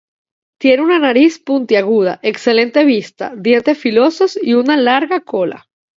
Tienen una nariz puntiaguda, excelente vista, dientes filosos, y una larga cola.